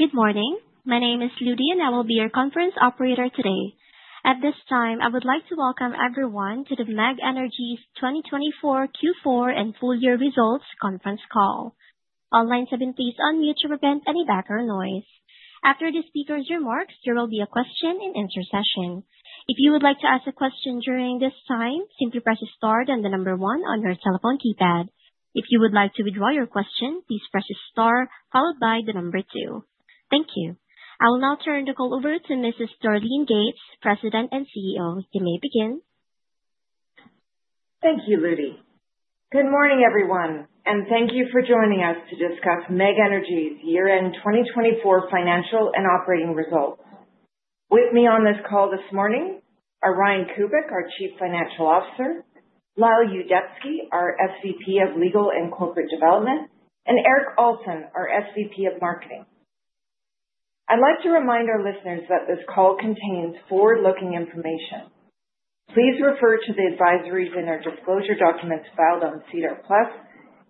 Good morning. My name is Lydia, and I will be your conference operator today. At this time, I would like to welcome everyone to the MEG Energy's 2024 Q4 and Full Year Results Conference Call. All lines have been placed on mute to prevent any background noise. After the speakers' remarks, there will be a question and answer session. If you would like to ask a question during this time, simply press star then the number one on your telephone keypad. If you would like to withdraw your question, please press star followed by the number two. Thank you. I will now turn the call over to Mrs. Darlene Gates, President and CEO. You may begin. Thank you, Lydia. Good morning, everyone, and thank you for joining us to discuss MEG Energy's year-end 2024 financial and operating results. With me on this call this morning are Ryan Kubik, our Chief Financial Officer, Lyle Yuzdepski, our SVP of Legal and Corporate Development, and Erik Alson, our SVP of Marketing. I'd like to remind our listeners that this call contains forward-looking information. Please refer to the advisories and our disclosure documents filed on SEDAR+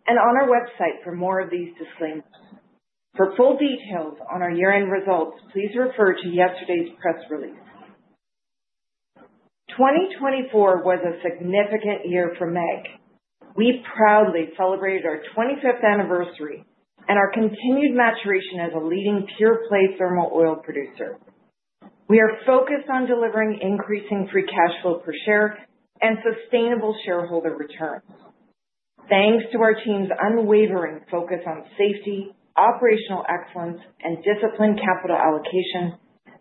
and on our website for more of these disclaimers. For full details on our year-end results, please refer to yesterday's press release. 2024 was a significant year for MEG. We proudly celebrated our 25th anniversary and our continued maturation as a leading pure play thermal oil producer. We are focused on delivering increasing free cash flow per share and sustainable shareholder returns. Thanks to our team's unwavering focus on safety, operational excellence, and disciplined capital allocation,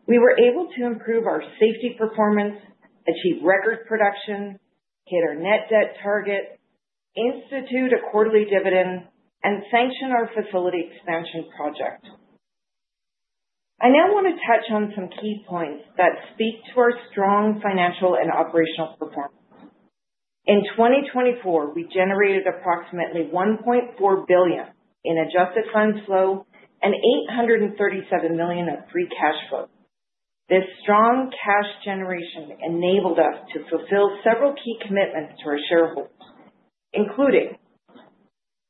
we were able to improve our safety performance, achieve record production, hit our net debt target, institute a quarterly dividend, and sanction our facility expansion project. I now want to touch on some key points that speak to our strong financial and operational performance. In 2024, we generated approximately $1.4 billion in adjusted funds flow and $837 million in free cash flow. This strong cash generation enabled us to fulfill several key commitments to our shareholders, including: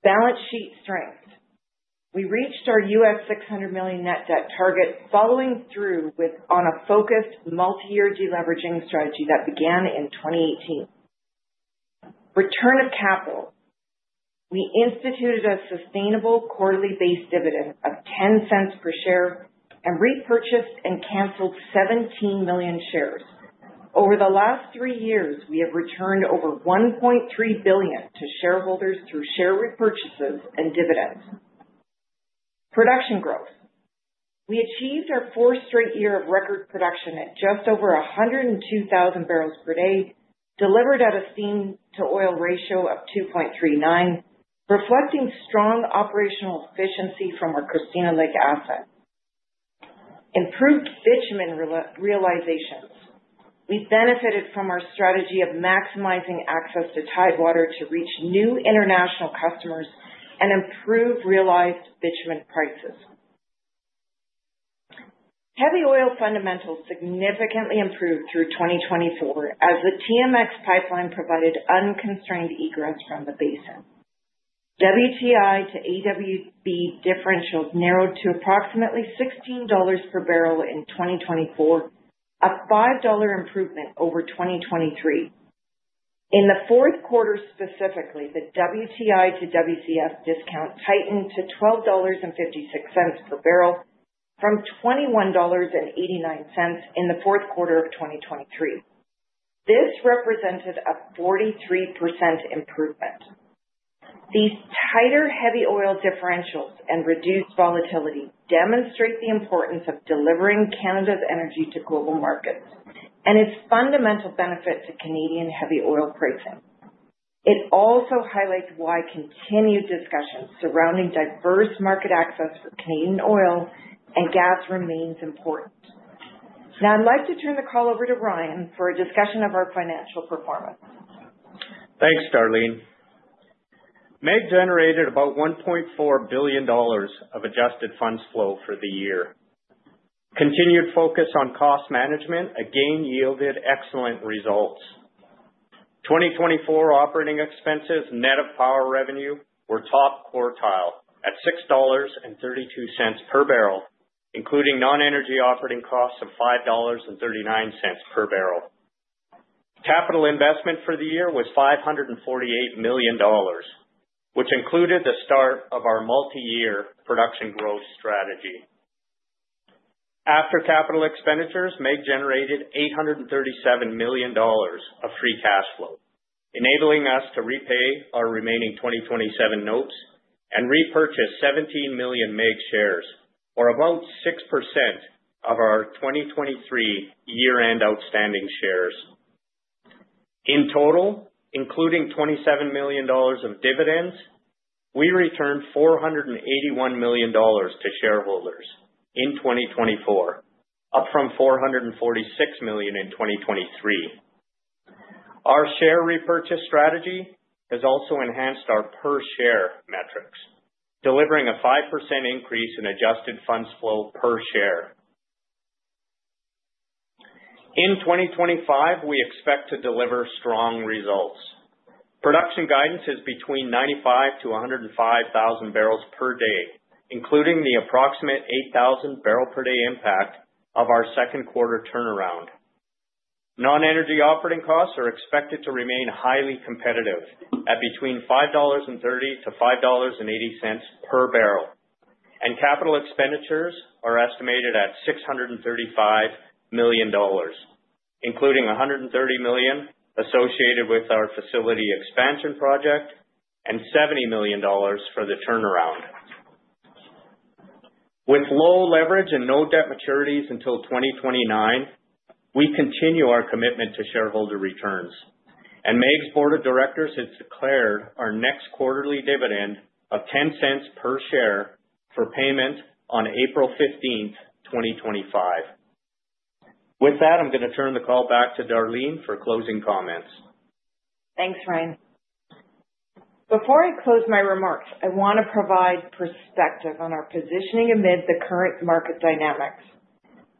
balance sheet strength. We reached our $600 million net debt target following through on a focused multi-year deleveraging strategy that began in 2018. Return of capital. We instituted a sustainable quarterly base dividend of $0.10 per share and repurchased and canceled 17 million shares. Over the last three years, we have returned over $1.3 billion to shareholders through share repurchases and dividends. Production growth. We achieved our fourth straight year of record production at just over 102,000 barrels per day, delivered at a steam-to-oil ratio of 2.39x, reflecting strong operational efficiency from our Christina Lake asset. Improved bitumen realizations. We benefited from our strategy of maximizing access to tidewater to reach new international customers and improve realized bitumen prices. Heavy oil fundamentals significantly improved through 2024 as the TMX pipeline provided unconstrained egress from the basin. WTI to AWB differentials narrowed to approximately $16 per barrel in 2024, a $5 improvement over 2023. In the fourth quarter specifically, the WTI to WCS discount tightened to $12.56 per barrel from $21.89 in the fourth quarter of 2023. This represented a 43% improvement. These tighter heavy oil differentials and reduced volatility demonstrate the importance of delivering Canada's energy to global markets and its fundamental benefit to Canadian heavy oil pricing. It also highlights why continued discussion surrounding diverse market access for Canadian oil and gas remains important. Now, I'd like to turn the call over to Ryan for a discussion of our financial performance. Thanks, Darlene. MEG generated about $1.4 billion of adjusted funds flow for the year. Continued focus on cost management again yielded excellent results. 2024 operating expenses net of power revenue were top quartile at $6.32 per barrel, including non-energy operating costs of $5.39 per barrel. Capital investment for the year was $548 million, which included the start of our multi-year production growth strategy. After capital expenditures, MEG generated $837 million of free cash flow, enabling us to repay our remaining 2027 notes and repurchase 17 million MEG shares, or about 6% of our 2023 year-end outstanding shares. In total, including $27 million of dividends, we returned $481 million to shareholders in 2024, up from $446 million in 2023. Our share repurchase strategy has also enhanced our per share metrics, delivering a 5% increase in adjusted funds flow per share. In 2025, we expect to deliver strong results. Production guidance is between 95,000 to 105,000 barrels per day, including the approximate 8,000 barrel per day impact of our second quarter turnaround. Non-energy operating costs are expected to remain highly competitive at between $5.30 to $5.80 per barrel, and capital expenditures are estimated at $635 million, including $130 million associated with our facility expansion project and $70 million for the turnaround. With low leverage and no debt maturities until 2029, we continue our commitment to shareholder returns, and MEG's Board of Directors has declared our next quarterly dividend of $0.10 per share for payment on April 15, 2025. With that, I'm going to turn the call back to Darlene for closing comments. Thanks, Ryan. Before I close my remarks, I want to provide perspective on our positioning amid the current market dynamics.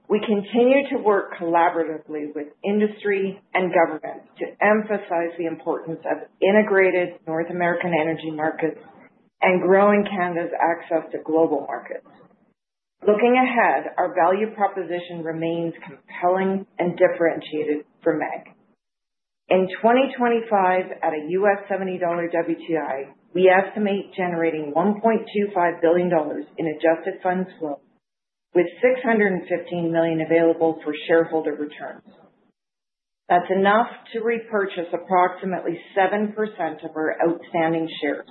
We continue to work collaboratively with industry and government to emphasize the importance of integrated North American energy markets and growing Canada's access to global markets. Looking ahead, our value proposition remains compelling and differentiated for MEG. In 2025, at a $70 WTI, we estimate generating $1.25 billion in adjusted funds flow, with $615 million available for shareholder returns. That's enough to repurchase approximately 7% of our outstanding shares.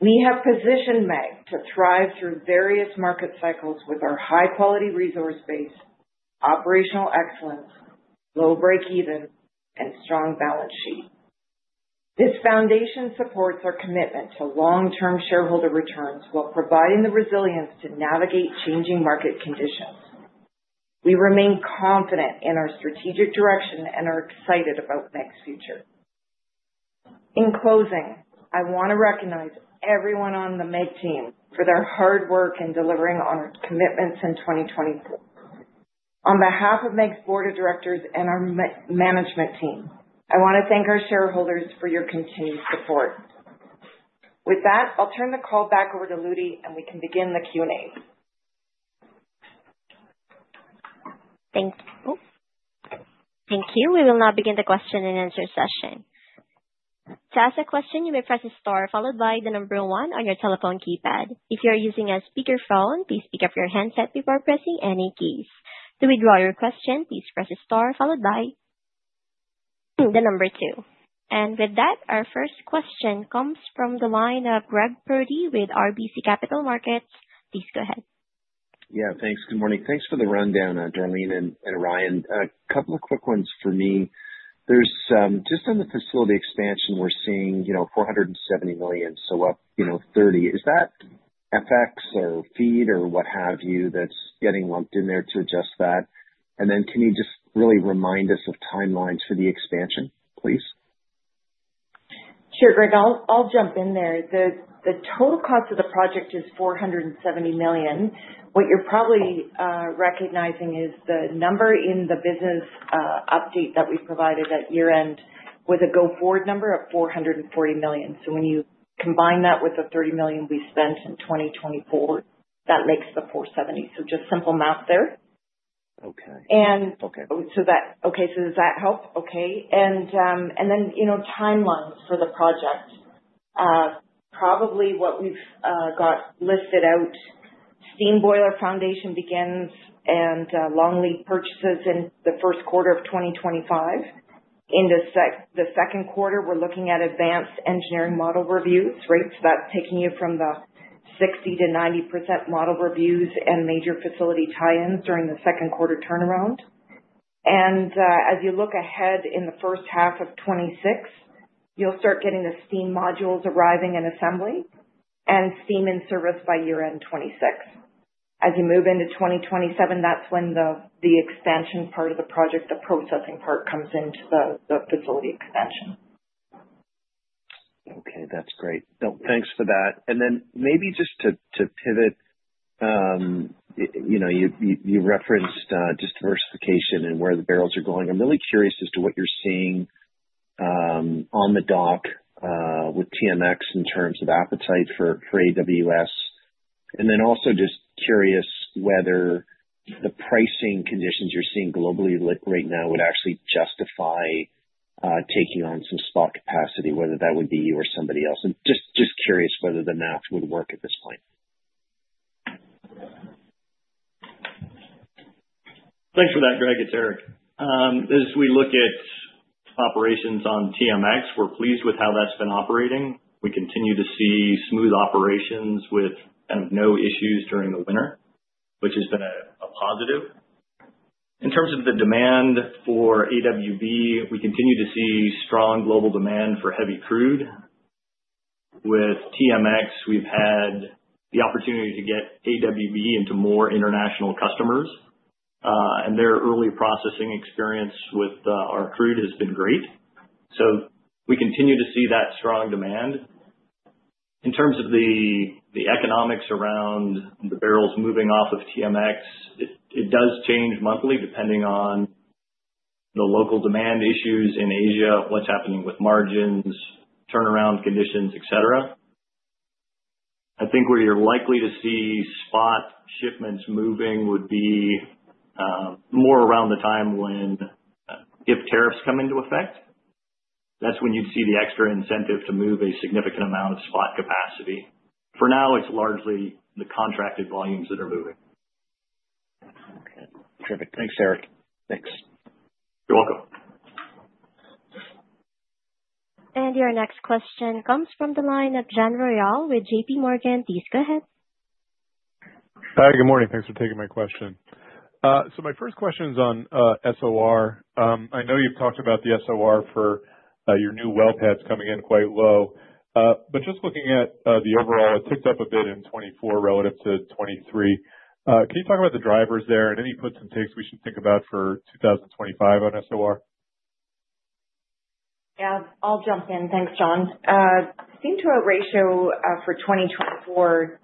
We have positioned MEG to thrive through various market cycles with our high-quality resource base, operational excellence, low breakeven, and strong balance sheet. This foundation supports our commitment to long-term shareholder returns while providing the resilience to navigate changing market conditions. We remain confident in our strategic direction and are excited about MEG's future. In closing, I want to recognize everyone on the MEG team for their hard work in delivering on our commitments in 2024. On behalf of MEG's board of directors and our management team, I want to thank our shareholders for your continued support. With that, I'll turn the call back over to Lydia, and we can begin the Q&A. Thank you. We will now begin the question and answer session. To ask a question, you may press star followed by the number one on your telephone keypad. If you are using a speakerphone, please pick up your handset before pressing any keys. To withdraw your question, please press star followed by the number two. And with that, our first question comes from the line of Greg Pardy with RBC Capital Markets. Please go ahead. Yeah, thanks. Good morning. Thanks for the rundown, Darlene and Ryan. A couple of quick ones for me. Just on the facility expansion, we're seeing $470 million, so up 30%. Is that FX or FEED or what have you that's getting lumped in there to adjust that? And then can you just really remind us of timelines for the expansion, please? Sure, Greg. I'll jump in there. The total cost of the project is $470 million. What you're probably recognizing is the number in the business update that we provided at year-end was a go-forward number of $440 million. So when you combine that with the $30 million we spent in 2024, that makes the $470 million. So just simple math there. Okay. Okay. So does that help? Okay, and then timelines for the project. Probably what we've got listed out, steam boiler foundation begins and long lead purchases in the first quarter of 2025. In the second quarter, we're looking at advanced engineering model reviews, right? So that's taking you from the 60%-90% model reviews and major facility tie-ins during the second quarter turnaround. As you look ahead in the first half of 2026, you'll start getting the steam modules arriving in assembly and steam in service by year-end 2026. As you move into 2027, that's when the expansion part of the project, the processing part, comes into the facility expansion. Okay. That's great. Thanks for that. And then maybe just to pivot, you referenced just diversification and where the barrels are going. I'm really curious as to what you're seeing on the dock with TMX in terms of appetite for AWS. And then also just curious whether the pricing conditions you're seeing globally right now would actually justify taking on some spot capacity, whether that would be you or somebody else. Just curious whether the math would work at this point. Thanks for that, Greg. It's Erik. As we look at operations on TMX, we're pleased with how that's been operating. We continue to see smooth operations with kind of no issues during the winter, which has been a positive. In terms of the demand for AWB, we continue to see strong global demand for heavy crude. With TMX, we've had the opportunity to get AWB into more international customers, and their early processing experience with our crude has been great. So we continue to see that strong demand. In terms of the economics around the barrels moving off of TMX, it does change monthly depending on the local demand issues in Asia, what's happening with margins, turnaround conditions, etc. I think where you're likely to see spot shipments moving would be more around the time when if tariffs come into effect. That's when you'd see the extra incentive to move a significant amount of spot capacity. For now, it's largely the contracted volumes that are moving. Okay. Terrific. Thanks, Erik. Thanks. You're welcome. Your next question comes from the line of John Royall with J.P. Morgan. Please go ahead. Hi, good morning. Thanks for taking my question. So my first question is on SOR. I know you've talked about the SOR for your new well pads coming in quite low, but just looking at the overall, it ticked up a bit in 2024 relative to 2023. Can you talk about the drivers there and any puts and takes we should think about for 2025 on SOR? Yeah, I'll jump in. Thanks, John. Steam-to-oil ratio for 2024,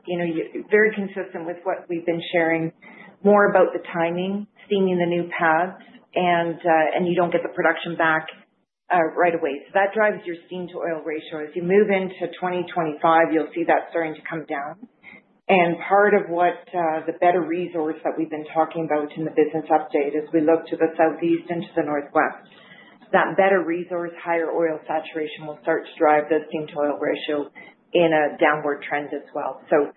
very consistent with what we've been sharing, more about the timing, seeing the new pads, and you don't get the production back right away. So that drives your steam-to-oil ratio. As you move into 2025, you'll see that starting to come down. And part of the better resource that we've been talking about in the business update as we look to the southeast and to the northwest, that better resource, higher oil saturation will start to drive the steam-to-oil ratio in a downward trend as well. So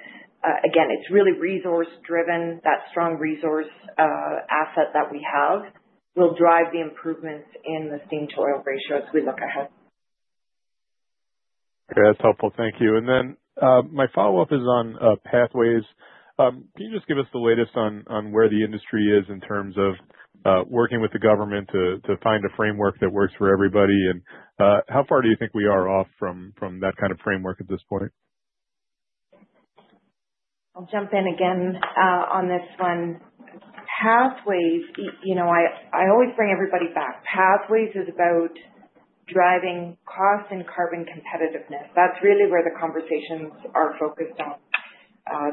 again, it's really resource-driven. That strong resource asset that we have will drive the improvements in the steam-to-oil ratio as we look ahead. Okay. That's helpful. Thank you. And then my follow-up is on Pathways. Can you just give us the latest on where the industry is in terms of working with the government to find a framework that works for everybody? And how far do you think we are off from that kind of framework at this point? I'll jump in again on this one. Pathways, I always bring everybody back. Pathways is about driving cost and carbon competitiveness. That's really where the conversations are focused on.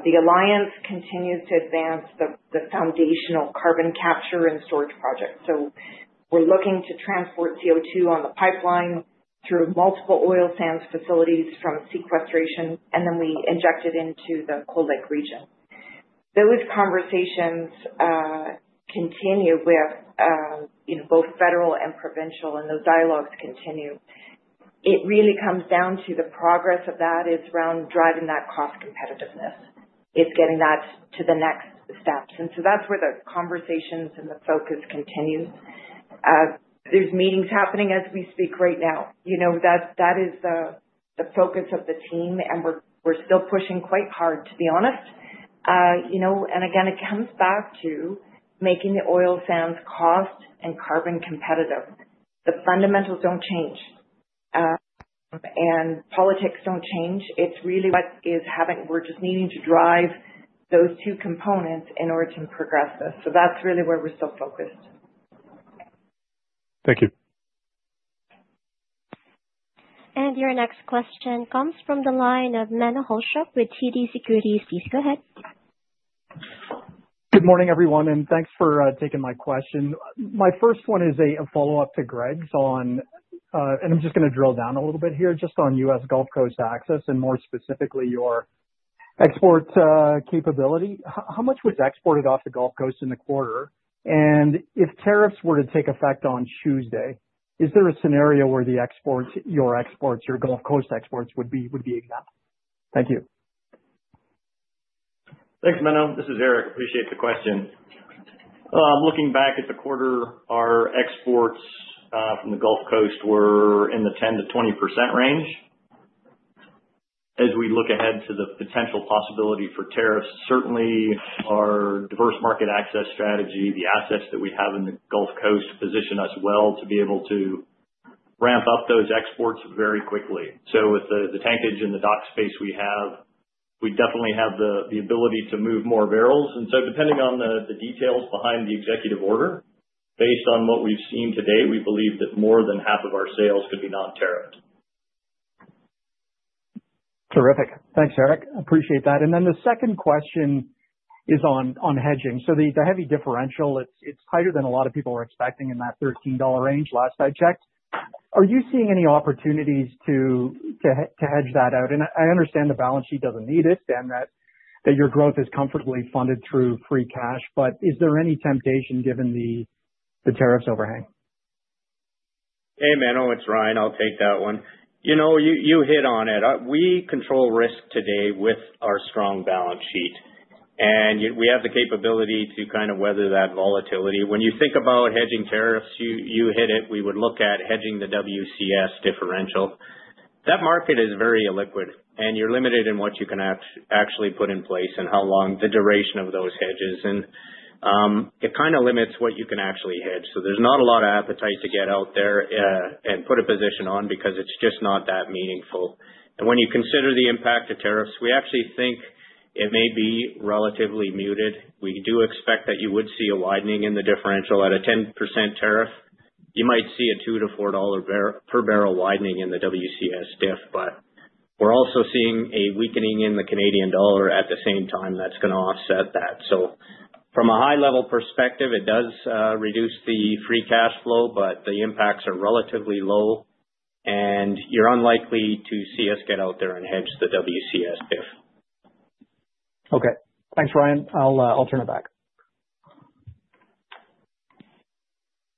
The alliance continues to advance the foundational carbon capture and storage projects. So we're looking to transport CO2 on the pipeline through multiple oil sands facilities from sequestration, and then we inject it into the Cold Lake region. Those conversations continue with both federal and provincial, and those dialogues continue. It really comes down to the progress of that is around driving that cost competitiveness. It's getting that to the next steps. And so that's where the conversations and the focus continues. There's meetings happening as we speak right now. That is the focus of the team, and we're still pushing quite hard, to be honest. And again, it comes back to making the oil sands cost and carbon competitive. The fundamentals don't change, and politics don't change. It's really what is happening. We're just needing to drive those two components in order to progress this, so that's really where we're still focused. Thank you. Your next question comes from the line of Menno Hulshof with TD Securities. Please go ahead. Good morning, everyone, and thanks for taking my question. My first one is a follow-up to Greg's on, and I'm just going to drill down a little bit here, just on U.S. Gulf Coast access and more specifically your export capability. How much was exported off the Gulf Coast in the quarter? And if tariffs were to take effect on Tuesday, is there a scenario where your exports, your Gulf Coast exports, would be exempt? Thank you. Thanks, Menno. This is Erik. Appreciate the question. Looking back at the quarter, our exports from the Gulf Coast were in the 10%-20% range. As we look ahead to the potential possibility for tariffs, certainly our diverse market access strategy, the assets that we have in the Gulf Coast position us well to be able to ramp up those exports very quickly. So with the tankage and the dock space we have, we definitely have the ability to move more barrels. And so depending on the details behind the executive order, based on what we've seen today, we believe that more than half of our sales could be non-tariffed. Terrific. Thanks, Erik. Appreciate that. And then the second question is on hedging. So the heavy differential, it's tighter than a lot of people are expecting in that $13 range last I checked. Are you seeing any opportunities to hedge that out? And I understand the balance sheet doesn't need it and that your growth is comfortably funded through free cash, but is there any temptation given the tariffs overhang? Hey, Manu. It's Ryan. I'll take that one. You hit on it. We control risk today with our strong balance sheet, and we have the capability to kind of weather that volatility. When you think about hedging tariffs, you hit it. We would look at hedging the WCS differential. That market is very illiquid, and you're limited in what you can actually put in place and how long the duration of those hedges is, and it kind of limits what you can actually hedge. So there's not a lot of appetite to get out there and put a position on because it's just not that meaningful, and when you consider the impact of tariffs, we actually think it may be relatively muted. We do expect that you would see a widening in the differential at a 10% tariff. You might see a $2-$4 per barrel widening in the WCS diff, but we're also seeing a weakening in the Canadian dollar at the same time that's going to offset that. So from a high-level perspective, it does reduce the free cash flow, but the impacts are relatively low, and you're unlikely to see us get out there and hedge the WCS diff. Okay. Thanks, Ryan. I'll turn it back.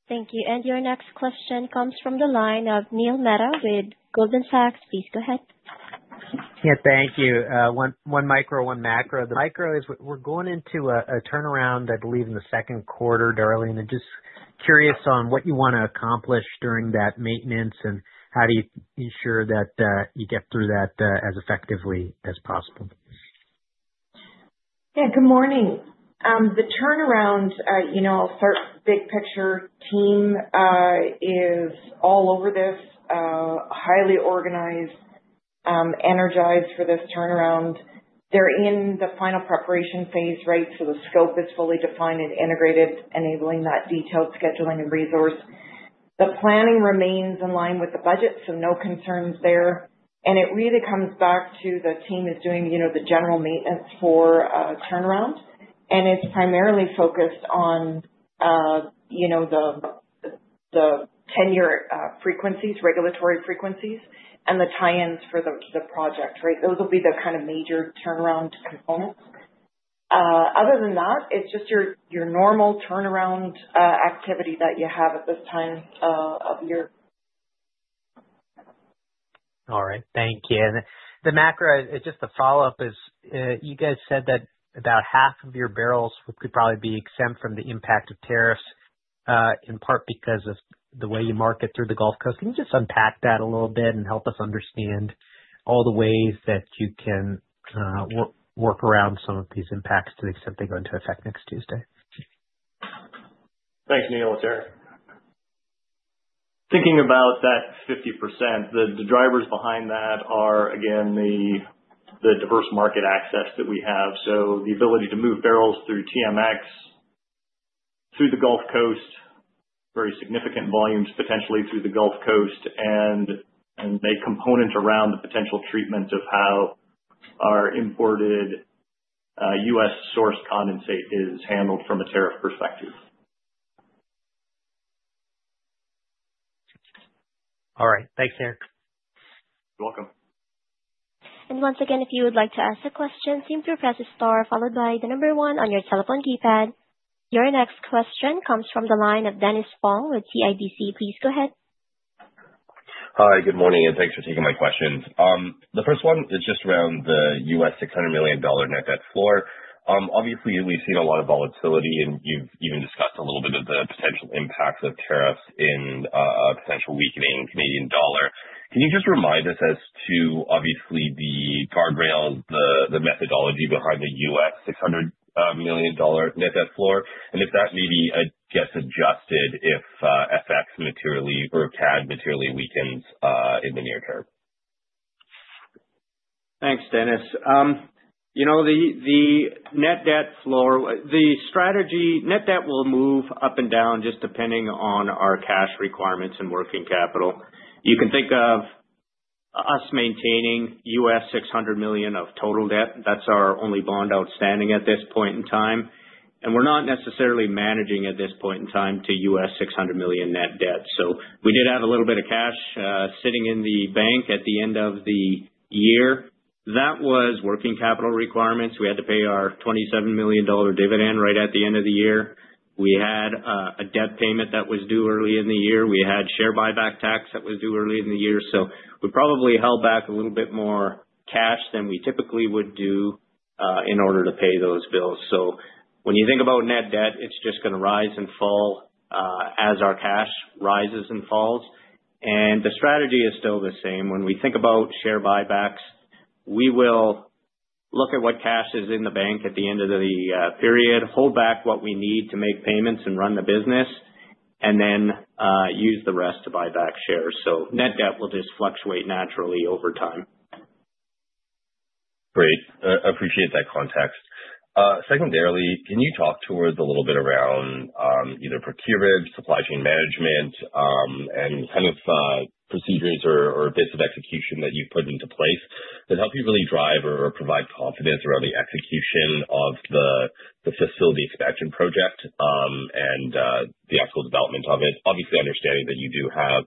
Thank you. Your next question comes from the line of Neil Mehta with Goldman Sachs. Please go ahead. Yeah, thank you. One micro, one macro. The micro is we're going into a turnaround, I believe, in the second quarter, Darlene. Just curious on what you want to accomplish during that maintenance and how do you ensure that you get through that as effectively as possible? Yeah, good morning. The turnaround, I'll start big picture. Team is all over this, highly organized, energized for this turnaround. They're in the final preparation phase, right? So the scope is fully defined and integrated, enabling that detailed scheduling and resource. The planning remains in line with the budget, so no concerns there. And it really comes back to the team is doing the general maintenance for turnaround, and it's primarily focused on the ten-year frequencies, regulatory frequencies, and the tie-ins for the project, right? Those will be the kind of major turnaround components. Other than that, it's just your normal turnaround activity that you have at this time of year. All right. Thank you. And the macro, just the follow-up is you guys said that about half of your barrels could probably be exempt from the impact of tariffs in part because of the way you market through the Gulf Coast. Can you just unpack that a little bit and help us understand all the ways that you can work around some of these impacts to the extent they go into effect next Tuesday? Thanks, Neil. It's Erik. Thinking about that 50%, the drivers behind that are, again, the diverse market access that we have. So the ability to move barrels through TMX through the Gulf Coast, very significant volumes potentially through the Gulf Coast, and a component around the potential treatment of how our imported U.S. source condensate is handled from a tariff perspective. All right. Thanks, Erik. You're welcome. And once again, if you would like to ask a question, press star followed by the number one on your telephone keypad. Your next question comes from the line of Dennis Fong with CIBC. Please go ahead. Hi, good morning, and thanks for taking my questions. The first one is just around the $600 million net debt floor. Obviously, we've seen a lot of volatility, and you've even discussed a little bit of the potential impacts of tariffs and potential weakening Canadian dollar. Can you just remind us as to, obviously, the guardrails, the methodology behind the $600 million net debt floor, and if that may be guess adjusted if FX materially or CAD materially weakens in the near term? Thanks, Dennis. The net debt floor, the strategy, net debt will move up and down just depending on our cash requirements and working capital. You can think of us maintaining $600 million of total debt. That's our only bond outstanding at this point in time. And we're not necessarily managing at this point in time to $600 million net debt. So we did have a little bit of cash sitting in the bank at the end of the year. That was working capital requirements. We had to pay our $27 million dividend right at the end of the year. We had a debt payment that was due early in the year. We had share buyback tax that was due early in the year. So we probably held back a little bit more cash than we typically would do in order to pay those bills. So when you think about net debt, it's just going to rise and fall as our cash rises and falls. And the strategy is still the same. When we think about share buybacks, we will look at what cash is in the bank at the end of the period, hold back what we need to make payments and run the business, and then use the rest to buy back shares. So net debt will just fluctuate naturally over time. Great. I appreciate that context. Secondarily, can you talk towards a little bit around either procurement, supply chain management, and kind of procedures or bits of execution that you've put into place that help you really drive or provide confidence around the execution of the facility expansion project and the actual development of it? Obviously, understanding that you do have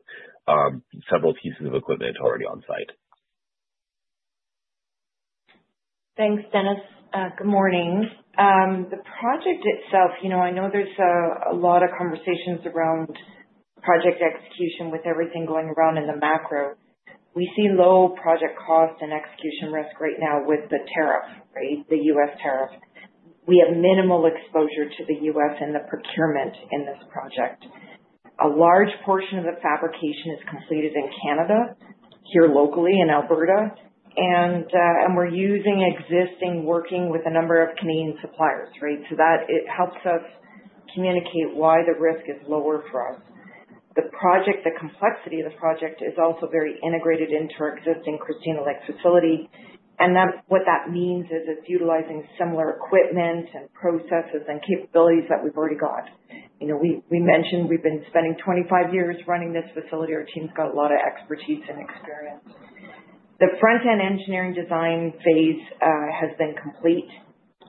several pieces of equipment already on site. Thanks, Dennis. Good morning. The project itself, I know there's a lot of conversations around project execution with everything going around in the macro. We see low project cost and execution risk right now with the tariff, right? The U.S. tariff. We have minimal exposure to the U.S. and the procurement in this project. A large portion of the fabrication is completed in Canada, here locally in Alberta, and we're using existing, working with a number of Canadian suppliers, right? So that helps us communicate why the risk is lower for us. The project, the complexity of the project is also very integrated into our existing Christina Lake facility, and what that means is it's utilizing similar equipment and processes and capabilities that we've already got. We mentioned we've been spending 25 years running this facility. Our team's got a lot of expertise and experience. The front-end engineering design phase has been complete,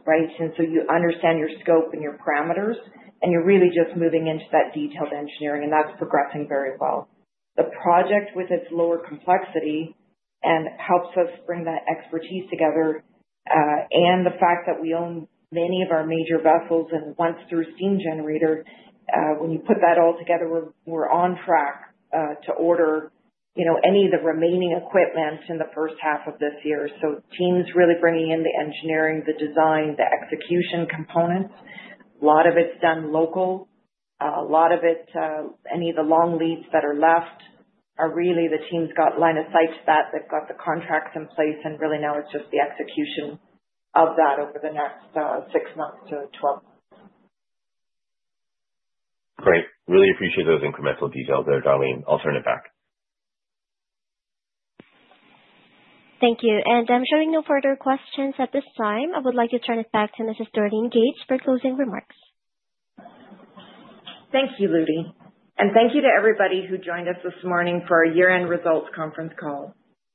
right? And so you understand your scope and your parameters, and you're really just moving into that detailed engineering, and that's progressing very well. The project, with its lower complexity, helps us bring that expertise together, and the fact that we own many of our major vessels and once-through steam generator, when you put that all together, we're on track to order any of the remaining equipment in the first half of this year, so teams really bringing in the engineering, the design, the execution components. A lot of it's done local. A lot of it, any of the long leads that are left are really the teams got line of sight to that. They've got the contracts in place, and really now it's just the execution of that over the next 6 months to 12-months. Great. Really appreciate those incremental details there, Darlene. I'll turn it back. Thank you, and I'm showing no further questions at this time. I would like to turn it back to Mrs. Darlene Gates for closing remarks. Thank you, Lydia. And thank you to everybody who joined us this morning for our year-end results conference call.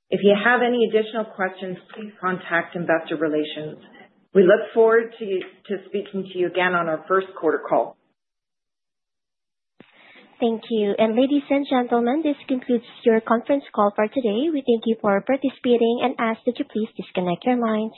If you have any additional questions, please contact Investor Relations. We look forward to speaking to you again on our first quarter call. Thank you. And ladies and gentlemen, this concludes your conference call for today. We thank you for participating and ask that you please disconnect your lines.